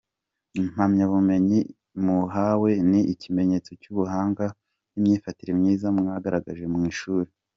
Impamyabumenyi muhawe ni ikimenyetso cy’ubuhanga n’imyifatire myiza mwagaragaje mu ishuri.